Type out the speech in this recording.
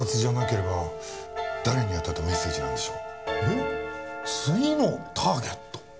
次のターゲット？